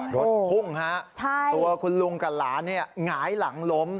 รถพุ่งฮะตัวคุณลุงกับหลานหงายหลังล้ม